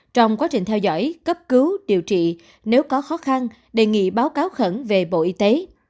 trong quá trình theo dõi cấp cứu điều trị nếu có khó khăn đề nghị báo cáo khẩn về bộ y tế